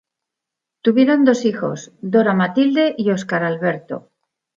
Tuvieron dos hijos, Dora Matilde y Óscar Alberto.